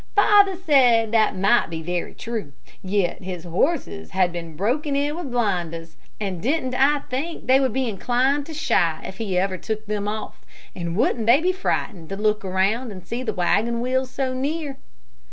Father said that might be very true, and yet his horses had been broken in with blinders, and didn't I think they would be inclined to shy if he took them off; and wouldn't they be frightened to look around and see the wagon wheels so near.